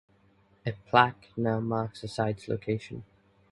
A plaque now marks the site's location.